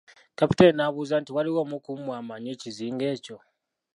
Kapitaani n'ababuuza nti Waliwo omu ku mmwe amanyi ekizinga ekyo?